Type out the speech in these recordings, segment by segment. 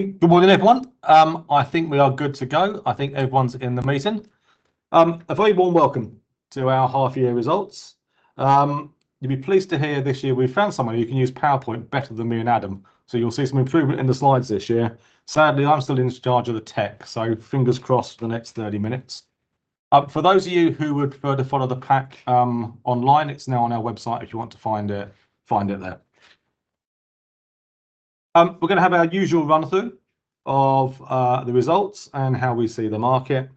Good morning, everyone. I think we are good to go. I think everyone's in the meeting. A very warm welcome to our half year results. You'll be pleased to hear this year we've found someone who can use PowerPoint better than me and Adam, so you'll see some improvement in the slides this year. Sadly, I'm still in charge of the tech, so fingers crossed for the next 30 minutes. For those of you who would prefer to follow the pack, online, it's now on our website, if you want to find it, find it there. We're gonna have our usual run through of, the results and how we see the market.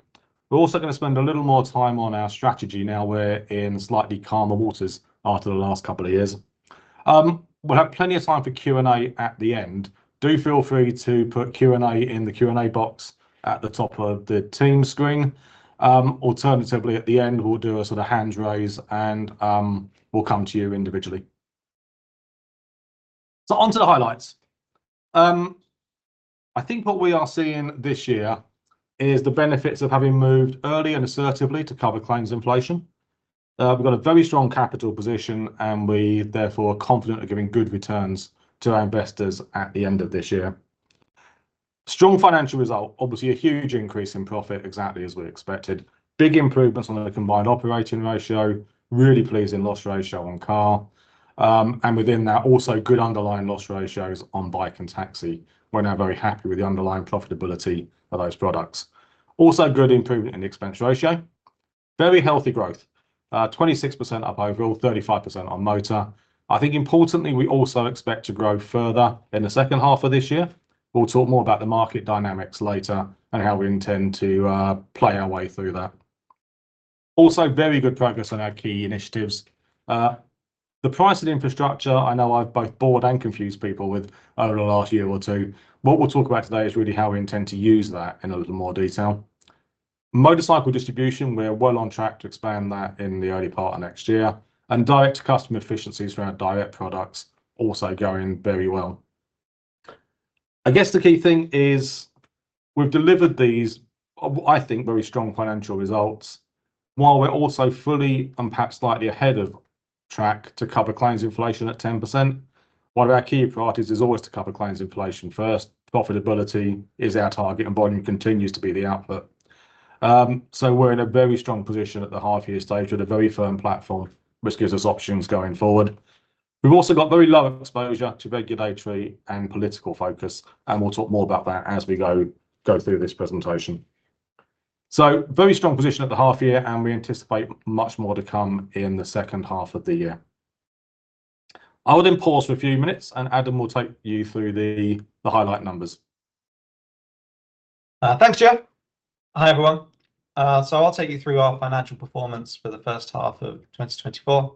We're also gonna spend a little more time on our strategy now we're in slightly calmer waters after the last couple of years. We'll have plenty of time for Q&A at the end. Do feel free to put Q&A in the Q&A box at the top of the Teams screen. Alternatively, at the end, we'll do a sort of hand raise and, we'll come to you individually. Onto the highlights, I think what we are seeing this year is the benefits of having moved early and assertively to cover claims inflation. We've got a very strong capital position, and we therefore are confident of giving good returns to our investors at the end of this year. Strong financial result, obviously, a huge increase in profit, exactly as we expected. Big improvements on the combined operating ratio, really pleasing loss ratio on car, and within that, also good underlying loss ratios on bike and taxi. We're now very happy with the underlying profitability of those products. Also, good improvement in the expense ratio. Very healthy growth, 26% up overall, 35% on motor. I think importantly, we also expect to grow further in the second half of this year. We'll talk more about the market dynamics later and how we intend to play our way through that. Also, very good progress on our key initiatives. The price and infrastructure, I know I've both bored and confused people with over the last year or two. What we'll talk about today is really how we intend to use that in a little more detail. Motorcycle distribution, we're well on track to expand that in the early part of next year, and direct to customer efficiencies for our direct products are also going very well. I guess the key thing is we've delivered these, I think, very strong financial results, while we're also fully and perhaps slightly ahead of track to cover claims inflation at 10%. One of our key priorities is always to cover claims inflation first. Profitability is our target, and volume continues to be the output. So we're in a very strong position at the half year stage, with a very firm platform, which gives us options going forward. We've also got very low exposure to regulatory and political focus, and we'll talk more about that as we go, go through this presentation. So very strong position at the half year, and we anticipate much more to come in the second half of the year. I will then pause for a few minutes, and Adam will take you through the, the highlight numbers. Thanks, Geoff. Hi, everyone. So I'll take you through our financial performance for the first half of 2024.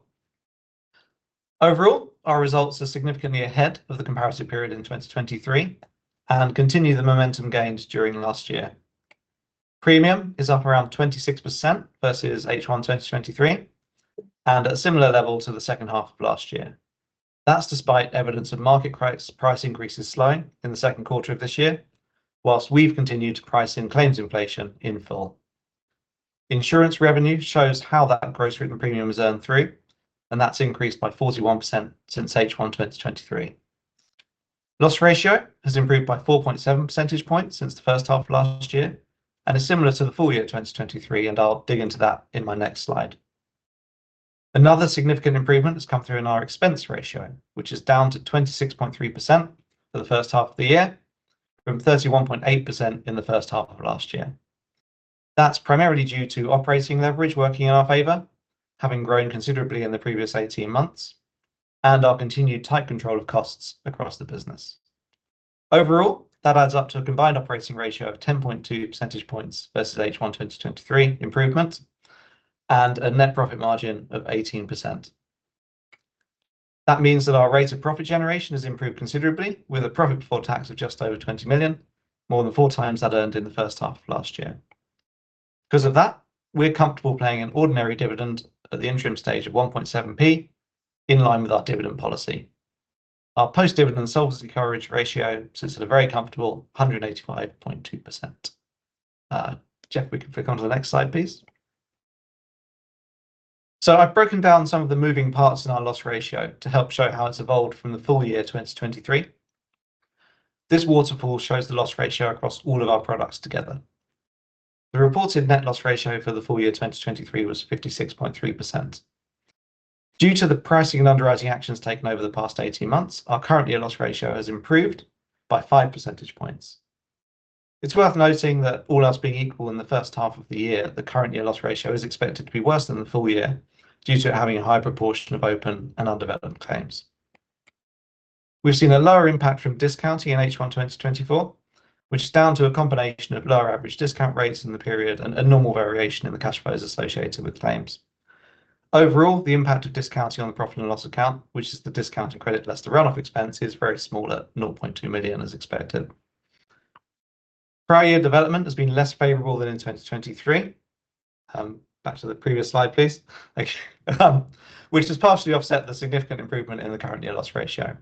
Overall, our results are significantly ahead of the comparison period in 2023 and continue the momentum gained during last year. Premium is up around 26% versus H1 2023 and at a similar level to the second half of last year. That's despite evidence of market price increases slowing in the second quarter of this year, while we've continued to price in claims inflation in full. Insurance revenue shows how that gross written premium is earned through, and that's increased by 41% since H1 2023. Loss ratio has improved by 4.7 percentage points since the first half of last year and is similar to the full-year 2023, and I'll dig into that in my next slide. Another significant improvement has come through in our expense ratio, which is down to 26.3% for the first half of the year, from 31.8% in the first half of last year. That's primarily due to operating leverage working in our favor, having grown considerably in the previous 18 months, and our continued tight control of costs across the business. Overall, that adds up to a combined operating ratio of 10.2 percentage points versus H1 2023 improvement and a net profit margin of 18%. That means that our rates of profit generation has improved considerably, with a profit before tax of just over 20 million, more than 4x that earned in the first half of last year. Because of that, we're comfortable paying an ordinary dividend at the interim stage of 1.7p, in line with our dividend policy. Our post-dividend solvency coverage ratio sits at a very comfortable 185.2%. Geoff, we can flick onto the next slide, please. So I've broken down some of the moving parts in our loss ratio to help show how it's evolved from the full-year 2023. This waterfall shows the loss ratio across all of our products together. The reported net loss ratio for the full-year 2023 was 56.3%. Due to the pricing and underwriting actions taken over the past 18 months, our current year loss ratio has improved by five percentage points. It's worth noting that all else being equal in the first half of the year, the current year loss ratio is expected to be worse than the full-year due to it having a high proportion of open and undeveloped claims. We've seen a lower impact from discounting in H1 2024, which is down to a combination of lower average discount rates in the period and a normal variation in the cash flows associated with claims. Overall, the impact of discounting on the profit and loss account, which is the discounting credit, less the run-off expense, is very small at 0.2 million, as expected. Prior year development has been less favorable than in 2023. Back to the previous slide, please. Which has partially offset the significant improvement in the current year loss ratio.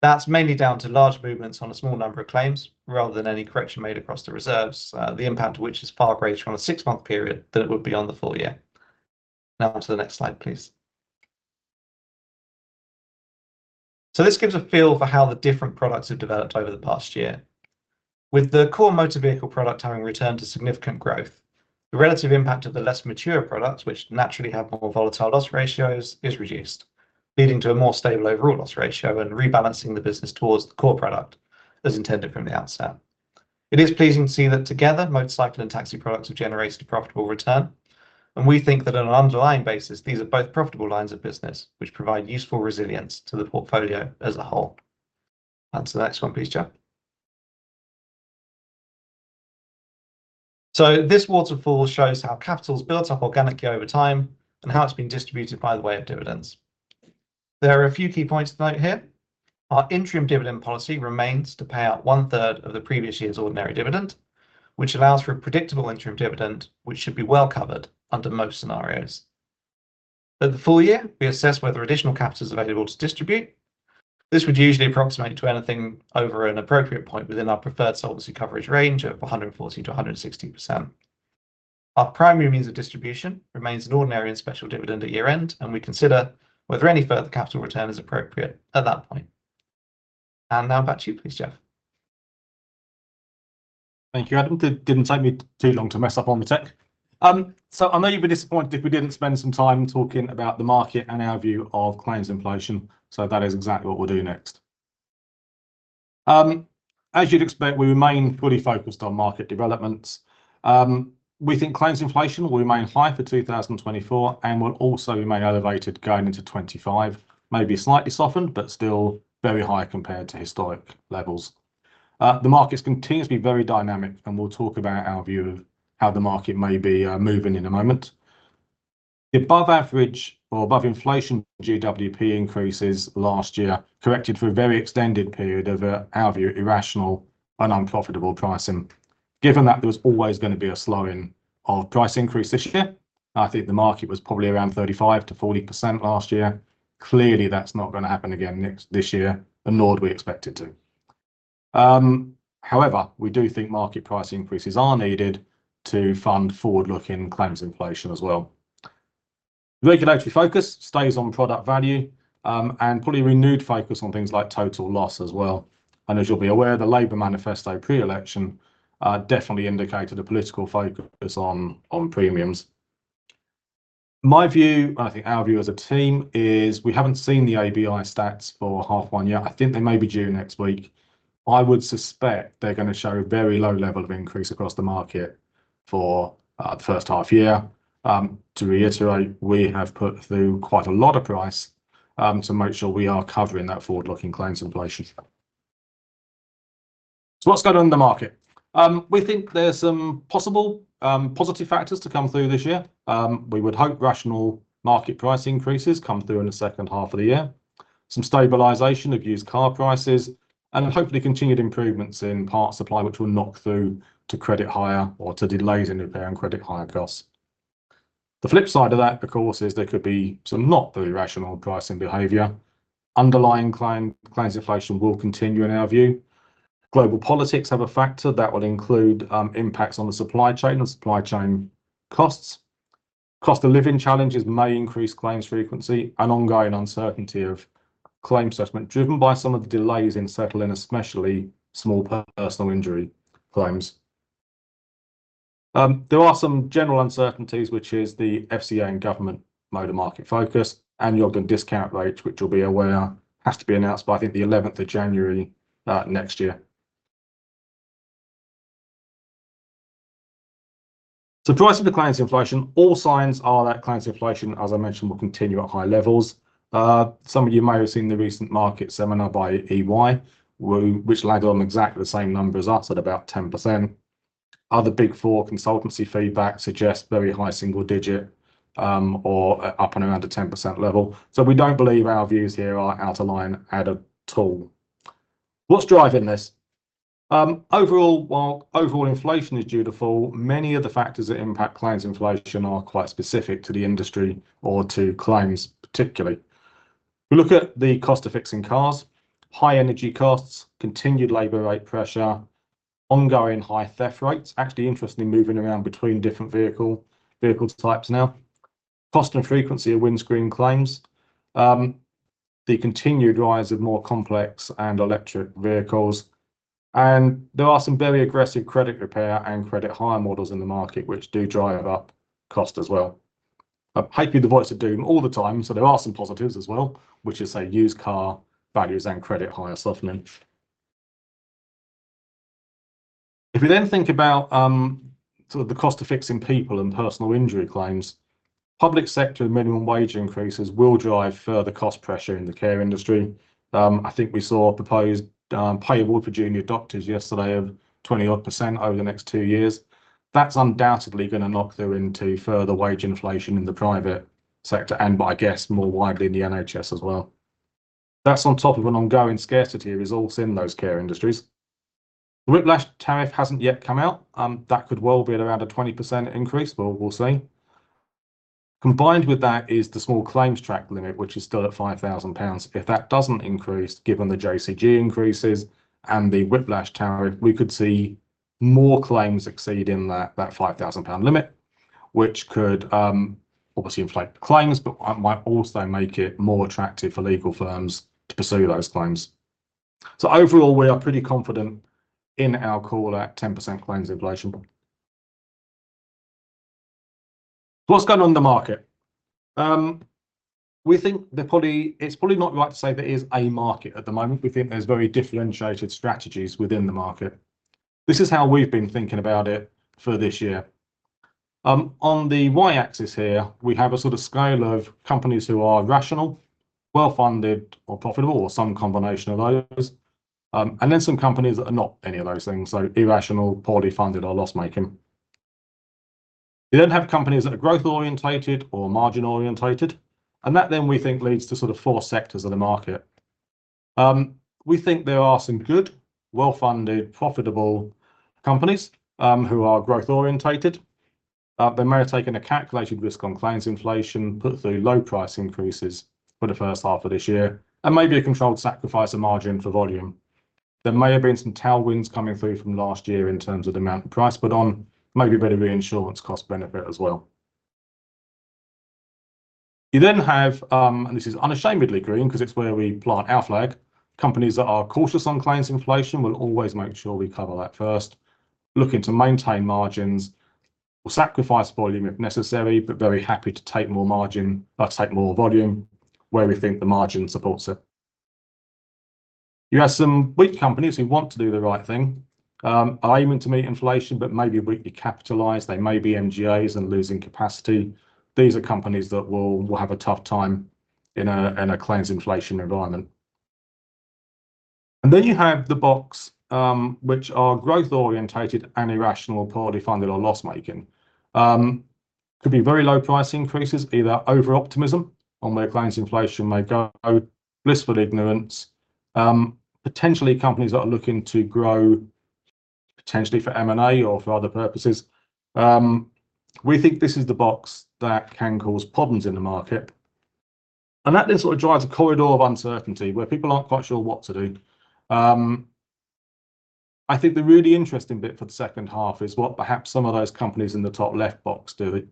That's mainly down to large movements on a small number of claims, rather than any correction made across the reserves, the impact of which is far greater on a six-month period than it would be on the full-year. Now, onto the next slide, please.... So this gives a feel for how the different products have developed over the past year. With the core motor vehicle product having returned to significant growth, the relative impact of the less mature products, which naturally have more volatile loss ratios, is reduced, leading to a more stable overall loss ratio and rebalancing the business towards the core product as intended from the outset. It is pleasing to see that together, motorcycle and taxi products have generated a profitable return, and we think that on an underlying basis, these are both profitable lines of business, which provide useful resilience to the portfolio as a whole. On to the next one, please, Geoff. This waterfall shows how capital's built up organically over time and how it's been distributed by way of dividends. There are a few key points to note here. Our interim dividend policy remains to pay out 1/3 of the previous year's ordinary dividend, which allows for a predictable interim dividend, which should be well covered under most scenarios. At the full-year, we assess whether additional capital is available to distribute. This would usually approximate to anything over an appropriate point within our preferred solvency coverage range of 140%-160%. Our primary means of distribution remains an ordinary and special dividend at year-end, and we consider whether any further capital return is appropriate at that point. And now back to you, please, Geoff. Thank you, Adam. That didn't take me too long to mess up on the tech. So I know you'd be disappointed if we didn't spend some time talking about the market and our view of claims inflation, so that is exactly what we'll do next. As you'd expect, we remain fully focused on market developments. We think claims inflation will remain high for 2024 and will also remain elevated going into 2025. Maybe slightly softened, but still very high compared to historic levels. The market continues to be very dynamic, and we'll talk about our view of how the market may be moving in a moment. Above average or above inflation GWP increases last year, corrected for a very extended period of our view, irrational and unprofitable pricing. Given that there was always going to be a slowing of price increase this year, I think the market was probably around 35%-40% last year. Clearly, that's not going to happen again next, this year, and nor do we expect it to. However, we do think market price increases are needed to fund forward-looking claims inflation as well. Regulatory focus stays on product value, and probably renewed focus on things like total loss as well. And as you'll be aware, the Labour manifesto pre-election definitely indicated a political focus on, on premiums. My view, and I think our view as a team, is we haven't seen the ABI stats for half one yet. I think they may be due next week. I would suspect they're going to show a very low level of increase across the market for the first half year. To reiterate, we have put through quite a lot of price to make sure we are covering that forward-looking claims inflation. So what's going on in the market? We think there are some possible positive factors to come through this year. We would hope rational market price increases come through in the second half of the year, some stabilization of used car prices, and hopefully, continued improvements in part supply, which will knock through to credit hire or to delays in repair and credit hire costs. The flip side of that, of course, is there could be some not very rational pricing behavior. Underlying claims inflation will continue, in our view. Global politics have a factor that will include impacts on the supply chain and supply chain costs. Cost of living challenges may increase claims frequency, and ongoing uncertainty of claims assessment, driven by some of the delays in settling, especially small personal injury claims. There are some general uncertainties, which is the FCA and government motor market focus, and the Ogden Discount Rate, which you'll be aware has to be announced by, I think, the eleventh of January, next year. So twice the claims inflation. All signs are that claims inflation, as I mentioned, will continue at high levels. Some of you may have seen the recent market seminar by EY, which landed on exactly the same number as us at about 10%. Other Big Four consultancy feedback suggests very high single digit, or up and around the 10% level. So we don't believe our views here are out of line at all. What's driving this? Overall, while overall inflation is due to fall, many of the factors that impact claims inflation are quite specific to the industry or to claims, particularly. We look at the cost of fixing cars, high energy costs, continued labor rate pressure, ongoing high theft rates, actually interestingly moving around between different vehicle types now, cost and frequency of windscreen claims, the continued rise of more complex and electric vehicles, and there are some very aggressive credit repair and credit hire models in the market, which do drive up cost as well. I paint the voice of doom all the time, so there are some positives as well, which is, say, used car values and credit hire softening. If you then think about, sort of the cost of fixing people and personal injury claims, public sector minimum wage increases will drive further cost pressure in the care industry. I think we saw a proposed, pay deal for junior doctors yesterday of 20%-odd over the next two years. That's undoubtedly going to knock through into further wage inflation in the private sector and I guess more widely in the NHS as well. That's on top of an ongoing scarcity of resource in those care industries. The whiplash tariff hasn't yet come out. That could well be at around a 20% increase, but we'll see. Combined with that is the small claims track limit, which is still at 5,000 pounds. If that doesn't increase, given the JCG increases and the whiplash tariff, we could see more claims exceeding that, that 5,000 pound limit. which could obviously inflate claims, but might also make it more attractive for legal firms to pursue those claims. So overall, we are pretty confident in our call at 10% claims inflation. What's going on in the market? We think that it's probably not right to say there is a market at the moment. We think there's very differentiated strategies within the market. This is how we've been thinking about it for this year. On the Y-axis here, we have a sort of scale of companies who are rational, well-funded, or profitable, or some combination of those, and then some companies that are not any of those things, so irrational, poorly funded, or loss-making. You then have companies that are growth-oriented or margin-oriented, and that then we think leads to sort of four sectors of the market. We think there are some good, well-funded, profitable companies, who are growth-oriented. They may have taken a calculated risk on claims inflation, put through low price increases for the first half of this year, and maybe a controlled sacrifice of margin for volume. There may have been some tailwinds coming through from last year in terms of the amount of price put on. Maybe a bit of reinsurance cost benefit as well. You then have, and this is unashamedly green because it's where we plant our flag, companies that are cautious on claims inflation; we'll always make sure we cover that first. Looking to maintain margins. We'll sacrifice volume if necessary, but very happy to take more margin, take more volume where we think the margin supports it. You have some weak companies who want to do the right thing, are aiming to meet inflation, but maybe weakly capitalized. They may be MGAs and losing capacity. These are companies that will have a tough time in a claims inflation environment. And then you have the box, which are growth-oriented and irrational, poorly funded, or loss-making. Could be very low price increases, either over-optimism on where claims inflation may go, blissful ignorance. Potentially companies that are looking to grow, potentially for M&A or for other purposes. We think this is the box that can cause problems in the market, and that then sort of drives a corridor of uncertainty where people aren't quite sure what to do. I think the really interesting bit for the second half is what perhaps some of those companies in the top left box do.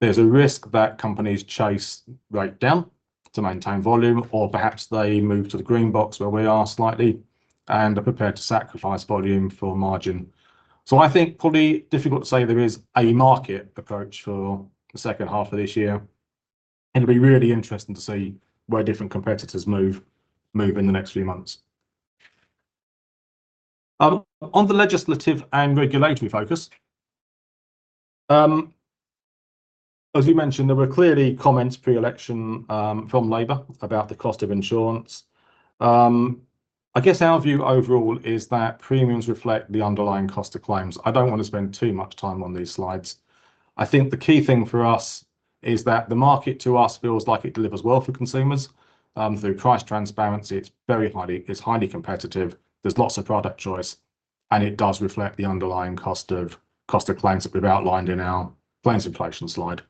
There's a risk that companies chase rate down to maintain volume, or perhaps they move to the green box, where we are slightly, and are prepared to sacrifice volume for margin. So I think probably difficult to say there is a market approach for the second half of this year. It'll be really interesting to see where different competitors move in the next few months. On the legislative and regulatory focus, as we mentioned, there were clearly comments pre-election from Labour about the cost of insurance. I guess our view overall is that premiums reflect the underlying cost of claims. I don't want to spend too much time on these slides. I think the key thing for us is that the market, to us, feels like it delivers well for consumers. Through price transparency, it's highly competitive, there's lots of product choice, and it does reflect the underlying cost of, cost of claims that we've outlined in our claims inflation slide.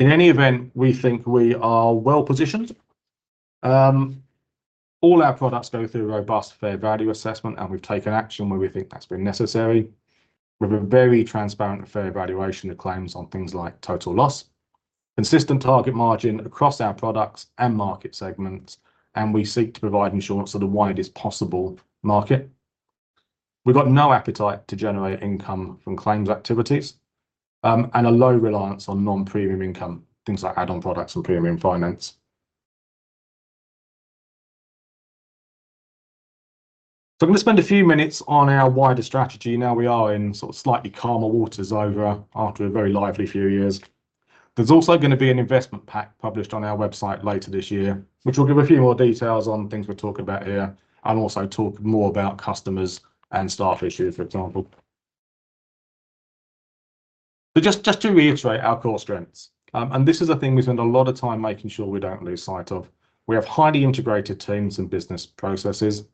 In any event, we think we are well-positioned. All our products go through a robust, fair value assessment, and we've taken action where we think that's been necessary, with a very transparent and fair valuation of claims on things like total loss. Consistent target margin across our products and market segments, and we seek to provide insurance to the widest possible market. We've got no appetite to generate income from claims activities, and a low reliance on non-premium income, things like add-on products and premium finance. I'm going to spend a few minutes on our wider strategy now we are in sort of slightly calmer waters after a very lively few years. There's also going to be an investment pack published on our website later this year, which will give a few more details on things we'll talk about here, and also talk more about customers and staff issues, for example. But just to reiterate our core strengths, and this is a thing we spend a lot of time making sure we don't lose sight of. We have highly integrated teams and business processes,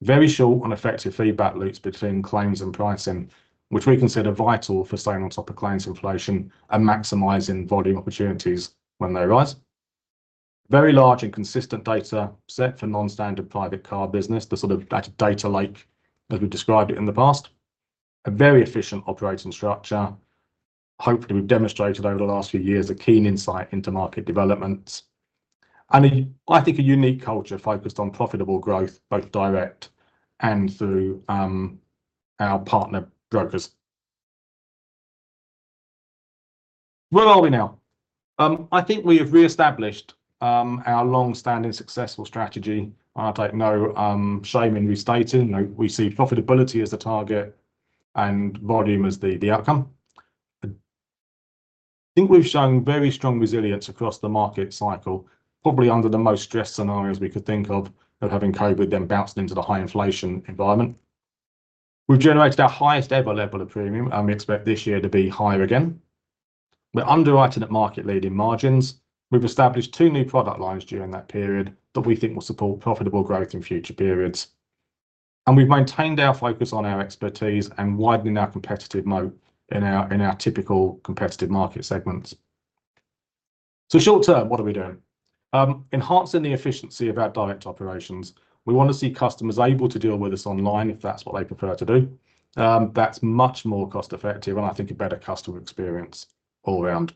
very short and effective feedback loops between claims and pricing, which we consider vital for staying on top of claims inflation and maximizing volume opportunities when they rise. Very large and consistent data set for non-standard private car business, the sort of data lake as we've described it in the past. A very efficient operating structure. Hopefully, we've demonstrated over the last few years a keen insight into market developments and a, I think, unique culture focused on profitable growth, both direct and through our partner brokers. Where are we now? I think we have re-established our long-standing, successful strategy. I take no shame in restating. You know, we see profitability as the target and volume as the outcome. I think we've shown very strong resilience across the market cycle, probably under the most stressed scenarios we could think of, of having COVID, then bouncing into the high inflation environment. We've generated our highest ever level of premium, and we expect this year to be higher again. We're underwriting at market-leading margins. We've established two new product lines during that period that we think will support profitable growth in future periods. And we've maintained our focus on our expertise and widening our competitive moat in our, in our typical competitive market segments. So short term, what are we doing? Enhancing the efficiency of our direct operations. We want to see customers able to deal with us online, if that's what they prefer to do. That's much more cost effective, and I think a better customer experience all around.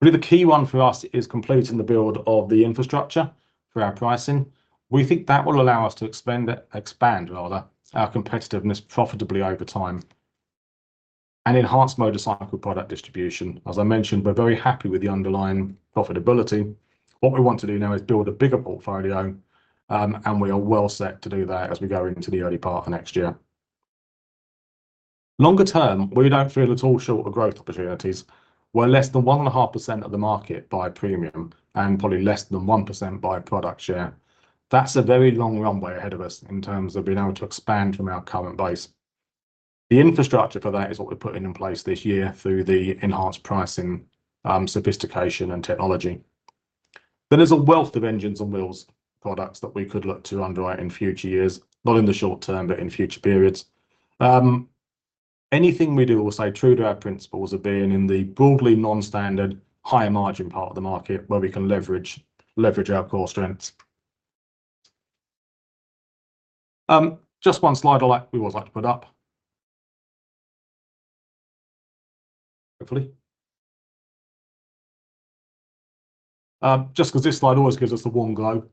Really, the key one for us is completing the build of the infrastructure for our pricing. We think that will allow us to expend, expand rather, our competitiveness profitably over time, and enhance motorcycle product distribution. As I mentioned, we're very happy with the underlying profitability. What we want to do now is build a bigger portfolio, and we are well set to do that as we go into the early part of next year. Longer term, we don't feel at all short of growth opportunities, we're less than 1.5% of the market by premium and probably less than 1% by product share. That's a very long runway ahead of us in terms of being able to expand from our current base. The infrastructure for that is what we're putting in place this year through the enhanced pricing, sophistication and technology. There is a wealth of engines and wheels products that we could look to underwrite in future years. Not in the short term, but in future periods. Anything we do will stay true to our principles of being in the broadly non-standard, higher margin part of the market, where we can leverage our core strengths. Just one slide I'd like, we would like to put up. Hopefully. Just 'cause this slide always gives us the warm glow.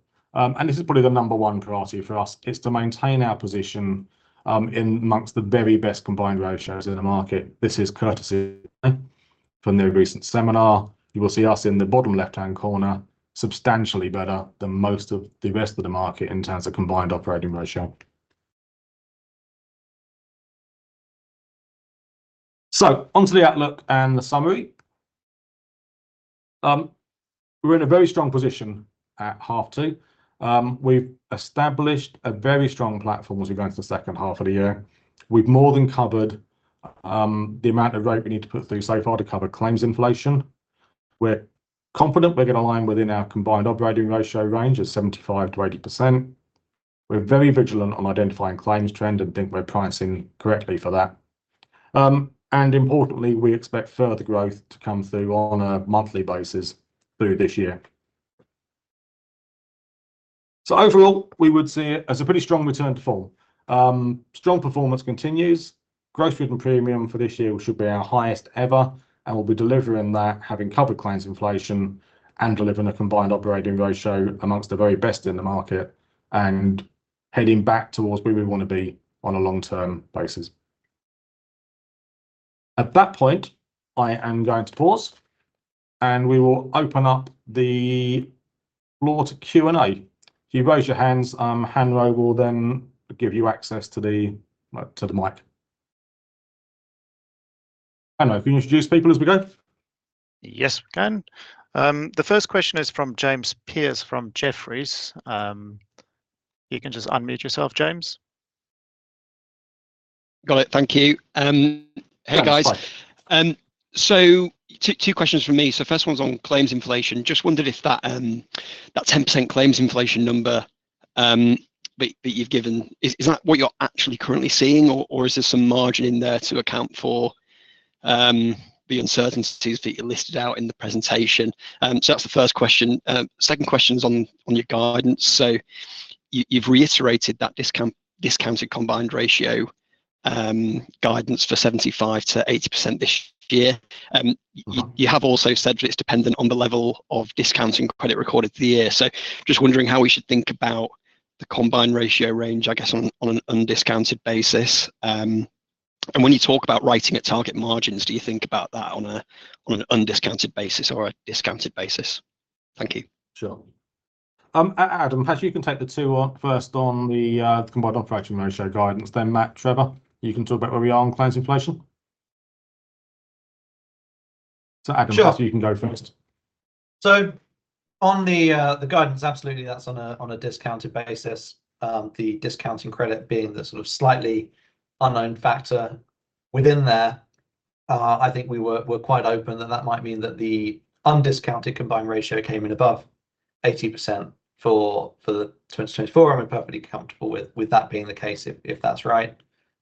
This is probably the number one priority for us, is to maintain our position in among the very best combined ratios in the market. This is courtesy from their recent seminar. You will see us in the bottom left-hand corner, substantially better than most of the rest of the market in terms of combined operating ratio. Onto the outlook and the summary. We're in a very strong position at half two. We've established a very strong platform as we go into the second half of the year. We've more than covered the amount of rate we need to put through so far to cover claims inflation. We're confident we're going to align within our combined operating ratio range of 75%-80%. We're very vigilant on identifying claims trend, and think we're pricing correctly for that. And importantly, we expect further growth to come through on a monthly basis through this year. So overall, we would see it as a pretty strong return to form. Strong performance continues. Growth in premium for this year should be our highest ever, and we'll be delivering that, having covered claims inflation and delivering a combined operating ratio amongst the very best in the market, and heading back towards where we want to be on a long-term basis. At that point, I am going to pause, and we will open up the floor to Q&A. If you raise your hands, Hanro will then give you access to the mic. Hanro, can you introduce people as we go? Yes, we can. The first question is from James Pearce, from Jefferies. You can just unmute yourself, James. Got it. Thank you. Hey, guys. Hi. So two questions from me. So first one's on claims inflation. Just wondered if that ten percent claims inflation number that you've given, is that what you're actually currently seeing, or is there some margin in there to account for the uncertainties that you listed out in the presentation? So that's the first question. Second question's on your guidance. So you've reiterated that discounted combined ratio guidance for 75%-80% this year. Mm-hmm. You have also said that it's dependent on the level of discounting credit recorded for the year. So just wondering how we should think about the combined ratio range, I guess, on an undiscounted basis. And when you talk about writing at target margins, do you think about that on an undiscounted basis or a discounted basis? Thank you. Sure. Adam, perhaps you can take the two first on the combined operating ratio guidance. Then Matt, Trevor, you can talk about where we are on claims inflation. So, Adam- Sure... you can go first. So on the guidance, absolutely, that's on a discounted basis. The discounting credit being the sort of slightly unknown factor within there. I think we were, we're quite open that that might mean that the undiscounted combined ratio came in above 80% for 2024, and we're perfectly comfortable with that being the case, if that's right.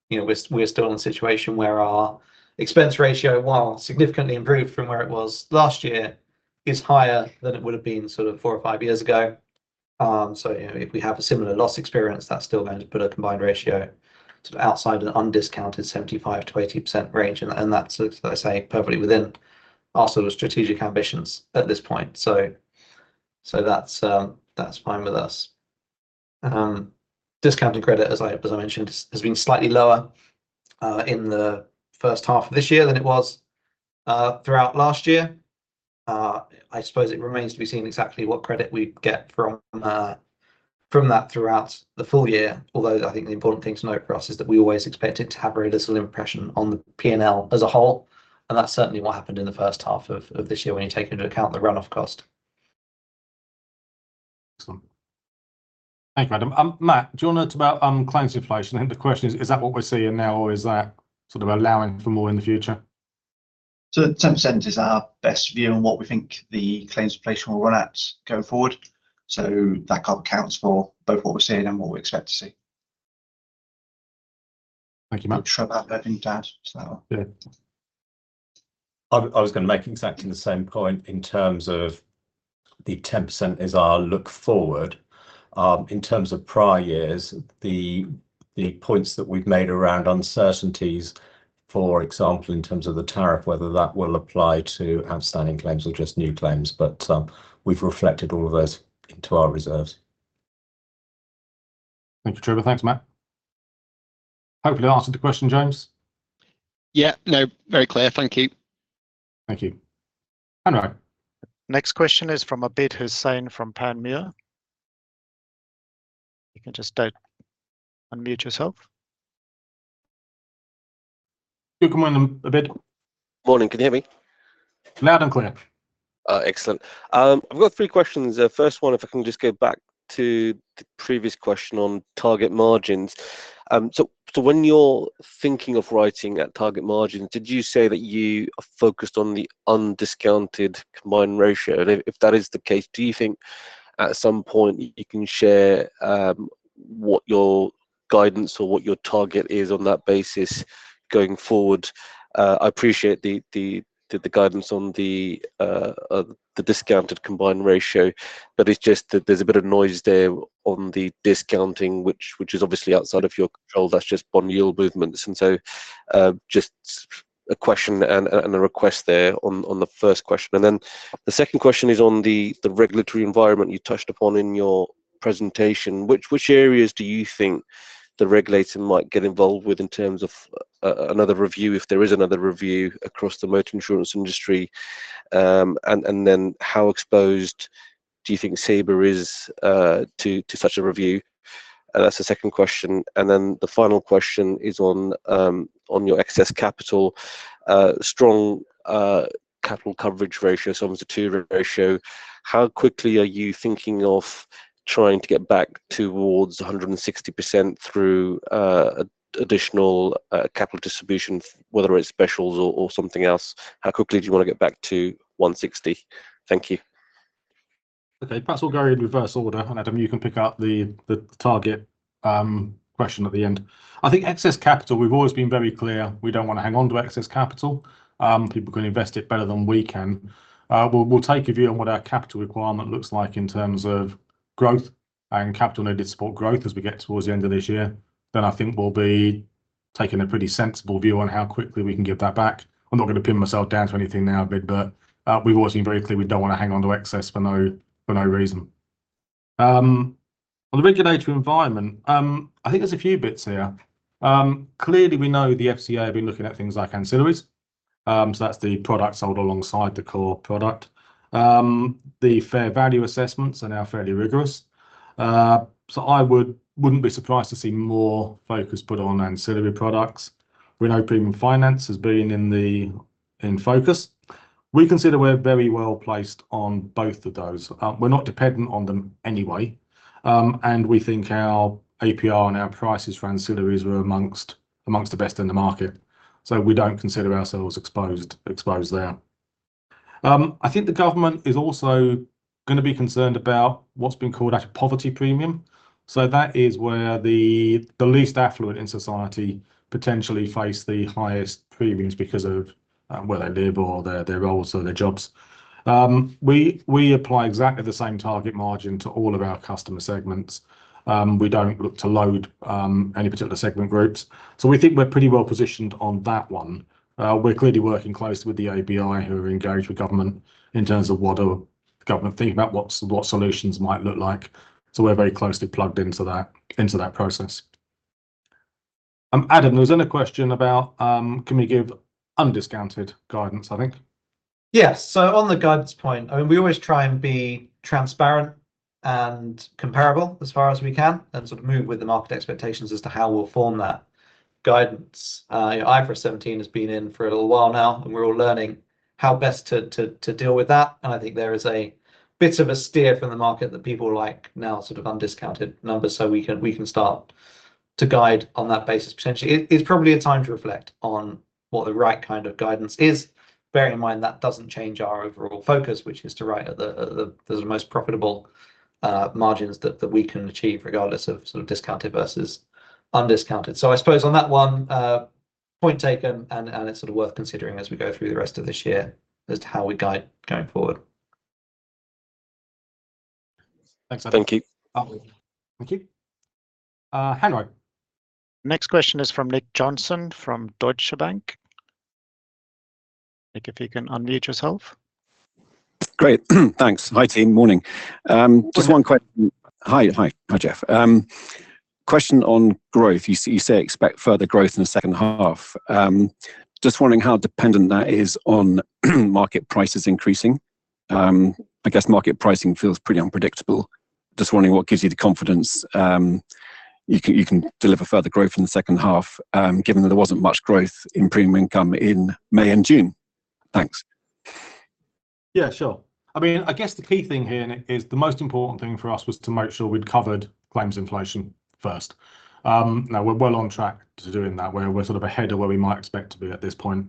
You know, we're still in a situation where our expense ratio, while significantly improved from where it was last year, is higher than it would've been sort of four or five years ago. So, you know, if we have a similar loss experience, that's still going to put a combined ratio sort of outside an undiscounted 75%-80% range. And that's, as I say, perfectly within our sort of strategic ambitions at this point. So that's fine with us. Discounted credit, as I mentioned, has been slightly lower in the first half of this year than it was throughout last year. I suppose it remains to be seen exactly what credit we get from that throughout the full-year. Although, I think the important thing to note for us is that we always expect it to have very little impression on the P&L as a whole, and that's certainly what happened in the first half of this year, when you take into account the run-off cost. Excellent. Thank you, Adam. Matt, do you want to talk about claims inflation? I think the question is, is that what we're seeing now, or is that sort of allowing for more in the future? So 10% is our best view on what we think the claims inflation will run at going forward. So that kind of accounts for both what we're seeing and what we expect to see.... Thank you, Matt. Make sure that everything's added, so. Yeah. I was gonna make exactly the same point in terms of the 10% is our look forward. In terms of prior years, the points that we've made around uncertainties, for example, in terms of the tariff, whether that will apply to outstanding claims or just new claims, but we've reflected all of those into our reserves. Thank you, Trevor. Thanks, Matt. Hopefully, I answered the question, James? Yeah, no, very clear. Thank you. Thank you. Hanro. Next question is from Abid Hussain from Panmure. You can just unmute yourself. Good morning, Abid. Morning. Can you hear me? Loud and clear. Excellent. I've got three questions. The first one, if I can just go back to the previous question on target margins. So when you're thinking of writing at target margins, did you say that you are focused on the undiscounted combined ratio? And if that is the case, do you think at some point you can share what your guidance or what your target is on that basis going forward? I appreciate the guidance on the discounted combined ratio, but it's just that there's a bit of noise there on the discounting, which is obviously outside of your control. That's just bond yield movements. And so, just a question and a request there on the first question. And then the second question is on the regulatory environment you touched upon in your presentation. Which areas do you think the regulator might get involved with in terms of another review, if there is another review across the motor insurance industry? And then how exposed do you think Sabre is to such a review? And that's the second question. And then the final question is on your excess capital. Strong capital coverage ratio, so almost a two ratio, how quickly are you thinking of trying to get back towards 160% through additional capital distribution, whether it's specials or something else? How quickly do you wanna get back to 160? Thank you. Okay, perhaps we'll go in reverse order, and Adam, you can pick up the target question at the end. I think excess capital, we've always been very clear, we don't wanna hang on to excess capital. People can invest it better than we can. We'll take a view on what our capital requirement looks like in terms of growth and capital needed to support growth as we get towards the end of this year. Then I think we'll be taking a pretty sensible view on how quickly we can get that back. I'm not gonna pin myself down to anything now, Abid, but, we've always been very clear we don't wanna hang on to excess for no reason. On the regulatory environment, I think there's a few bits here. Clearly, we know the FCA have been looking at things like ancillaries. So that's the product sold alongside the core product. The fair value assessments are now fairly rigorous. So I wouldn't be surprised to see more focus put on ancillary products. We know premium finance has been in focus. We consider we're very well placed on both of those. We're not dependent on them anyway, and we think our APR and our prices for ancillaries were among the best in the market, so we don't consider ourselves exposed there. I think the government is also gonna be concerned about what's been called a poverty premium. So that is where the least affluent in society potentially face the highest premiums because of where they live or their roles or their jobs. We apply exactly the same target margin to all of our customer segments. We don't look to load any particular segment groups. So we think we're pretty well positioned on that one. We're clearly working closely with the ABI, who are engaged with government, in terms of what are the government thinking about, what solutions might look like. So we're very closely plugged into that, into that process. Adam, there was another question about can we give undiscounted guidance, I think? Yes. So on the guidance point, I mean, we always try and be transparent and comparable as far as we can, and sort of move with the market expectations as to how we'll form that guidance. IFRS 17 has been in for a little while now, and we're all learning how best to deal with that, and I think there is a bit of a steer from the market that people would like now sort of undiscounted numbers, so we can start to guide on that basis, potentially. It's probably a time to reflect on what the right kind of guidance is, bearing in mind that doesn't change our overall focus, which is to arrive at the most profitable margins that we can achieve, regardless of sort of discounted versus undiscounted. I suppose on that one, point taken, and it's sort of worth considering as we go through the rest of this year as to how we guide going forward. Thanks, Adam. Thank you. Thank you. Hanro. Next question is from Nick Johnson, from Deutsche Bank. Nick, if you can unmute yourself. Great. Thanks. Hi, team. Morning. Just one. Hi, hi. Hi, Geoff. Question on growth. You say expect further growth in the second half. Just wondering how dependent that is on market prices increasing. I guess market pricing feels pretty unpredictable. Just wondering what gives you the confidence you can deliver further growth in the second half, given that there wasn't much growth in premium income in May and June? Thanks. Yeah, sure. I mean, I guess the key thing here, Nick, is the most important thing for us was to make sure we'd covered claims inflation first. Now we're well on track to doing that, where we're sort of ahead of where we might expect to be at this point.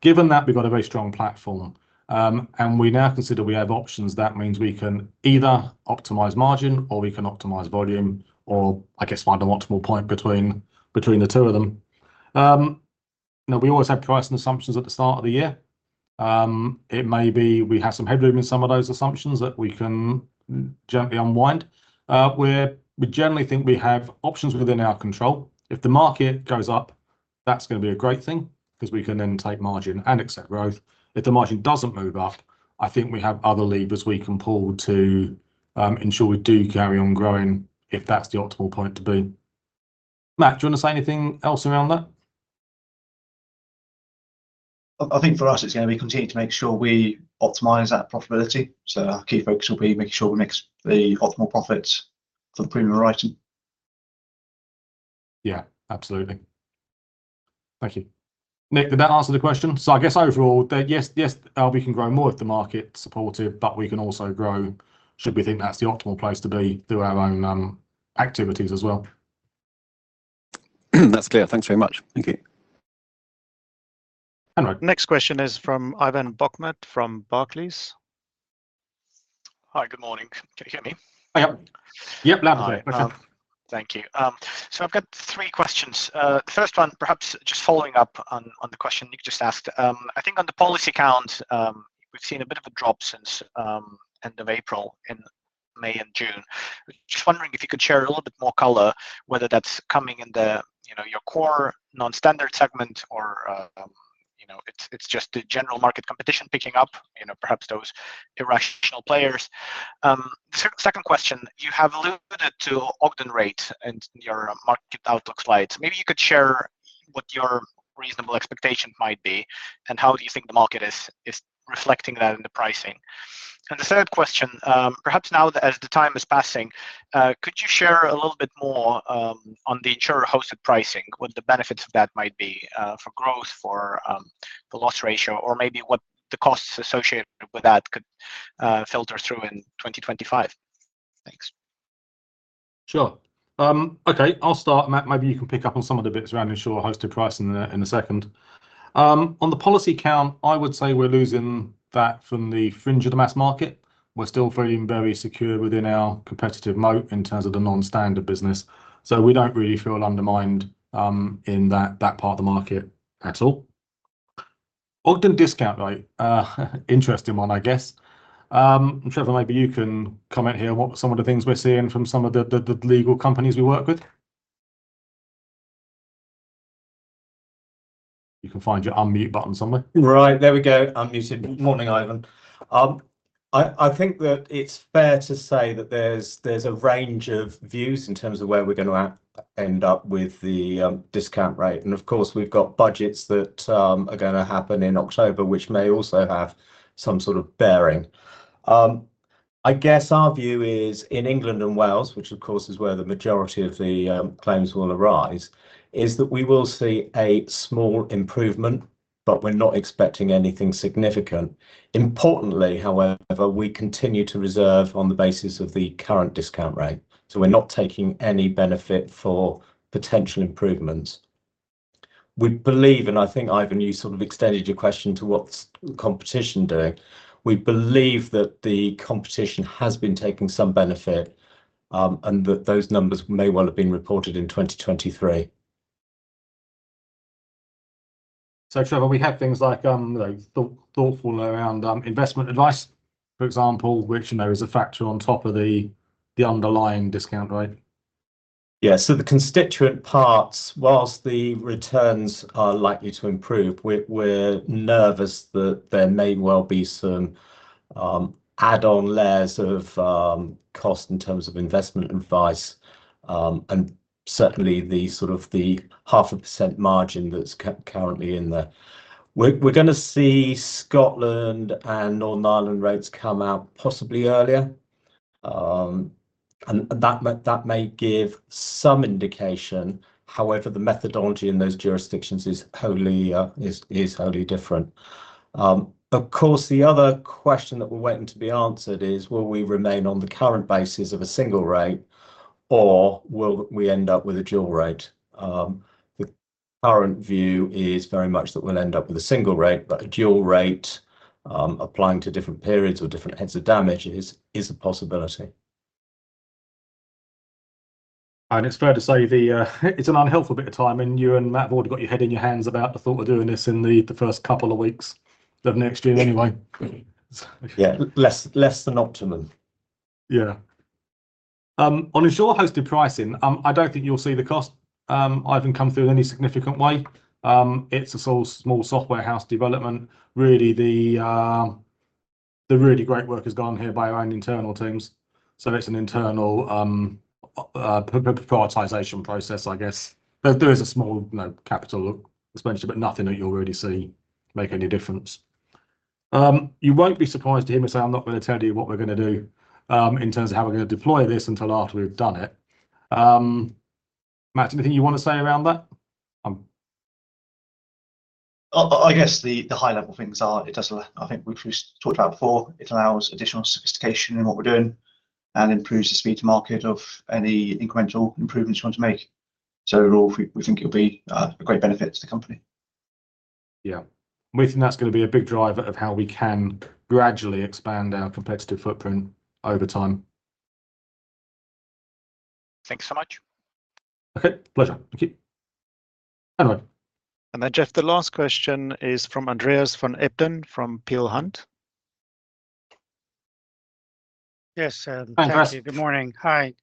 Given that, we've got a very strong platform, and we now consider we have options, that means we can either optimize margin, or we can optimize volume, or I guess find an optimal point between, between the two of them. Now, we always have pricing assumptions at the start of the year. It may be we have some headroom in some of those assumptions that we can gently unwind. We generally think we have options within our control. If the market goes up, that's gonna be a great thing, 'cause we can then take margin and accept growth. If the margin doesn't move up, I think we have other levers we can pull to ensure we do carry on growing, if that's the optimal point to be. Matt, do you wanna say anything else around that? I think for us, it's gonna be continuing to make sure we optimize that profitability. Our key focus will be making sure we make the optimal profits for the premium writing. Yeah, absolutely. Thank you. Nick, did that answer the question? So I guess overall, that yes, yes, LV can grow more if the market's supportive, but we can also grow, should we think that's the optimal place to be, through our own activities as well. That's clear. Thanks very much. Thank you. Hanro. Next question is from Ivan Bokhmat from Barclays. Hi, good morning. Can you hear me? I can. Yep, loud and clear. Hi. Thank you. So I've got three questions. The first one, perhaps just following up on, on the question Nick just asked. I think on the policy count, we've seen a bit of a drop since, end of April and May and June. Just wondering if you could share a little bit more color, whether that's coming in the, you know, your core non-standard segment or, you know, it's, it's just the general market competition picking up, you know, perhaps those irrational players. Second question, you have alluded to Ogden rate in your market outlook slides. Maybe you could share what your reasonable expectation might be, and how do you think the market is, is reflecting that in the pricing? The third question, perhaps now that as the time is passing, could you share a little bit more, on the insurer-hosted pricing, what the benefits of that might be, for growth, for the loss ratio, or maybe what the costs associated with that could filter through in 2025? Thanks. Sure. Okay, I'll start, Matt. Maybe you can pick up on some of the bits around insurer-hosted pricing in a second. On the policy count, I would say we're losing that from the fringe of the mass market. We're still feeling very secure within our competitive moat in terms of the non-standard business, so we don't really feel undermined, in that part of the market at all. Ogden Discount Rate, interesting one, I guess. Trevor, maybe you can comment here, what some of the things we're seeing from some of the legal companies we work with? You can find your unmute button somewhere. Right. There we go, unmuted. Morning, Ivan. I think that it's fair to say that there's a range of views in terms of where we're gonna end up with the discount rate. And of course, we've got budgets that are gonna happen in October, which may also have some sort of bearing. I guess our view is, in England and Wales, which of course is where the majority of the claims will arise, is that we will see a small improvement, but we're not expecting anything significant. Importantly, however, we continue to reserve on the basis of the current discount rate, so we're not taking any benefit for potential improvements. We believe, and I think, Ivan, you sort of extended your question to what's competition doing, we believe that the competition has been taking some benefit, and that those numbers may well have been reported in 2023. So, Trevor, we have things like, like, thoughtful around investment advice, for example, which, you know, is a factor on top of the underlying discount rate. Yeah, so the constituent parts, whilst the returns are likely to improve, we're, we're nervous that there may well be some add-on layers of cost in terms of investment advice, and certainly the sort of the half a percent margin that's currently in there. We're, we're gonna see Scotland and Northern Ireland rates come out possibly earlier. And that may, that may give some indication. However, the methodology in those jurisdictions is wholly, is, is wholly different. Of course, the other question that we're waiting to be answered is, will we remain on the current basis of a single rate, or will we end up with a dual rate? The current view is very much that we'll end up with a single rate, but a dual rate applying to different periods or different heads of damage is, is a possibility. And it's fair to say it's an unhelpful bit of timing. You and Matt have already got your head in your hands about the thought of doing this in the first couple of weeks of next year anyway. Yeah, less than optimum. Yeah. On insurer-hosted pricing, I don't think you'll see the cost, Ivan, come through in any significant way. It's a small, small software house development. Really, the really great work is gone here by our own internal teams, so it's an internal prioritization process, I guess. But there is a small, you know, capital expenditure, but nothing that you'll really see make any difference. You won't be surprised to hear me say I'm not gonna tell you what we're gonna do, in terms of how we're gonna deploy this until after we've done it. Matt, anything you want to say around that? I guess the high-level things are, it does allow, I think, which we've talked about before, it allows additional sophistication in what we're doing and improves the speed to market of any incremental improvements you want to make. So overall, we think it'll be a great benefit to the company. Yeah. We think that's gonna be a big driver of how we can gradually expand our competitive footprint over time.... Thanks so much. Okay. Pleasure. Thank you. Hanro. And then, Geoff, the last question is from Andreas van Embden from Peel Hunt. Yes, um- Hi, Andreas. Thank you. Good morning. Hi.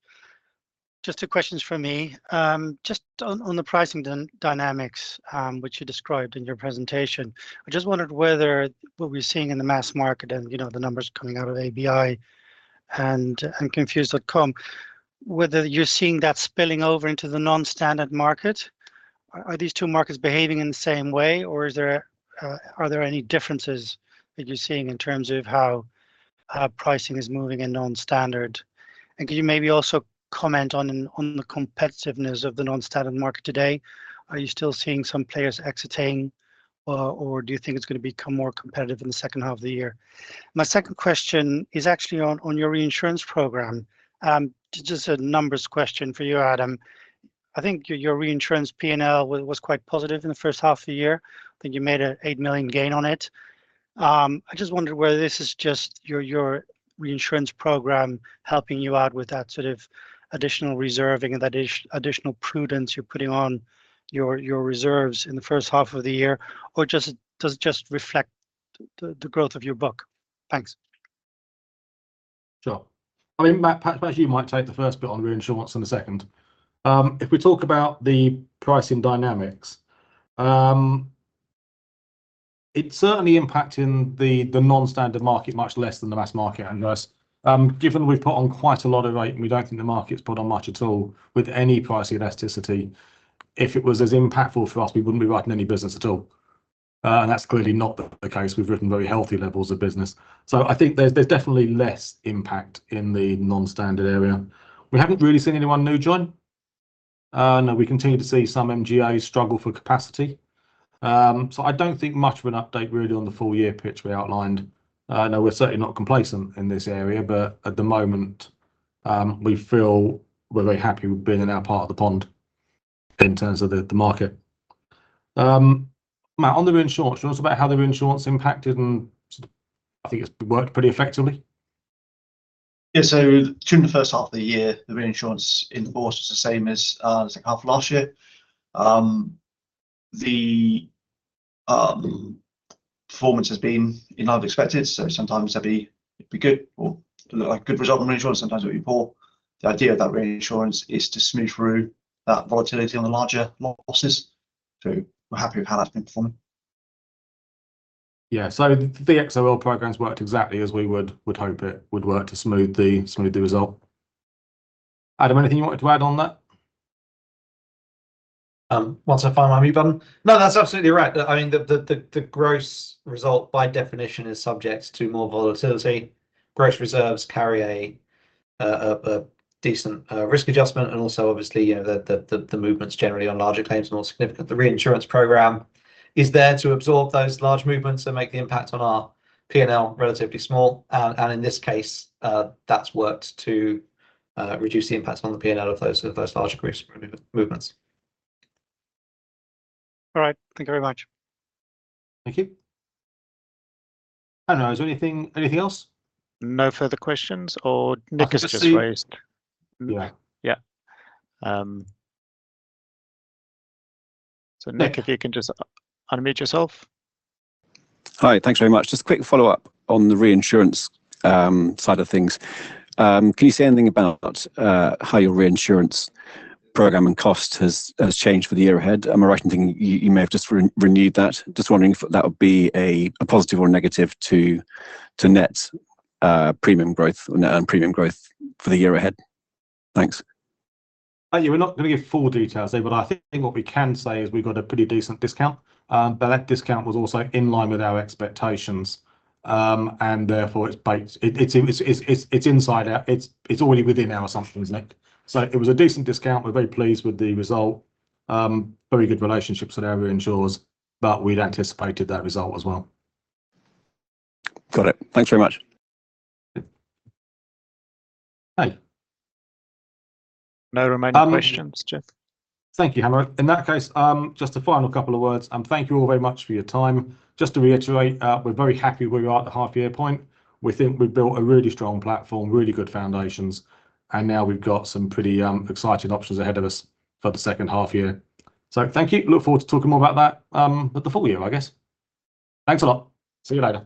Just two questions from me. Just on the pricing dynamics, which you described in your presentation, I just wondered whether what we're seeing in the mass market and, you know, the numbers coming out of ABI and Confused.com, whether you're seeing that spilling over into the non-standard market. Are these two markets behaving in the same way, or is there... are there any differences that you're seeing in terms of how pricing is moving in non-standard? And could you maybe also comment on the competitiveness of the non-standard market today? Are you still seeing some players exiting, or do you think it's gonna become more competitive in the second half of the year? My second question is actually on your reinsurance program. Just a numbers question for you, Adam. I think your reinsurance P&L was quite positive in the first half of the year. I think you made a 8 million gain on it. I just wondered whether this is just your reinsurance program helping you out with that sort of additional reserving and that additional prudence you're putting on your reserves in the first half of the year, or just does it just reflect the growth of your book? Thanks. Sure. I mean, Matt, perhaps you might take the first bit on reinsurance and the second. If we talk about the pricing dynamics, it's certainly impacting the non-standard market much less than the mass market, Andreas. Given that we've put on quite a lot of rate, and we don't think the market's put on much at all with any price elasticity, if it was as impactful for us, we wouldn't be writing any business at all. And that's clearly not the case. We've written very healthy levels of business. So I think there's definitely less impact in the non-standard area. We haven't really seen anyone new join. No, we continue to see some MGAs struggle for capacity. So I don't think much of an update really on the full-year pitch we outlined. No, we're certainly not complacent in this area, but at the moment, we feel we're very happy with being in our part of the pond in terms of the, the market. Matt, on the reinsurance, do you want to talk about how the reinsurance impacted, and I think it's worked pretty effectively? Yeah, so during the first half of the year, the reinsurance in force was the same as the second half of last year. The performance has been in line with expected, so sometimes that'd be- it'd be good or look like a good result on reinsurance, sometimes it would be poor. The idea of that reinsurance is to smooth through that volatility on the larger losses, so we're happy with how that's been performing. Yeah, so the XOL programs worked exactly as we would hope it would work to smooth the result. Adam, anything you wanted to add on that? No, that's absolutely right. I mean, the gross result by definition is subject to more volatility. Gross reserves carry a decent risk adjustment and also obviously, you know, the movements generally on larger claims are more significant. The reinsurance program is there to absorb those large movements and make the impact on our P&L relatively small, and in this case, that's worked to reduce the impact on the P&L of those large gross movements. All right. Thank you very much. Thank you. I don't know, is there anything... anything else? No further questions, or Nick has just raised- I can just see- Yeah. Yeah. So Nick- Yeah... if you can just unmute yourself. Hi, thanks very much. Just a quick follow-up on the reinsurance side of things. Can you say anything about how your reinsurance program and cost has changed for the year ahead? Am I right in thinking you may have just renewed that? Just wondering if that would be a positive or a negative to net premium growth for the year ahead. Thanks. Thank you. We're not gonna give full details there, but I think what we can say is we got a pretty decent discount. But that discount was also in line with our expectations, and therefore, it's inside out. It's already within our assumptions, Nick. So it was a decent discount. We're very pleased with the result. Very good relationships with our reinsurers, but we'd anticipated that result as well. Got it. Thanks very much. Okay. No remaining questions, Geoff. Thank you, Hanro. In that case, just a final couple of words, and thank you all very much for your time. Just to reiterate, we're very happy where we are at the half year point. We think we've built a really strong platform, really good foundations, and now we've got some pretty exciting options ahead of us for the second half year. So thank you. Look forward to talking more about that at the full-year, I guess. Thanks a lot. See you later.